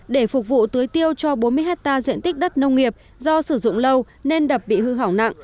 để phục vụ tưới tiêu cho bốn mươi hectare diện tích đất nông nghiệp do sử dụng lâu nên đập bị hư hỏng nặng